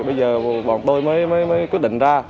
bây giờ bọn tôi mới quyết định ra